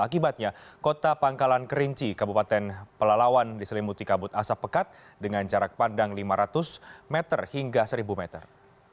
akibatnya kota pangkalan kerinci kabupaten pelalawan diselimuti kabut asap pekat dengan jarak pandang lima ratus meter hingga seribu meter